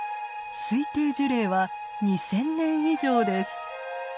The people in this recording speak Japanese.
推定樹齢は２，０００年以上です。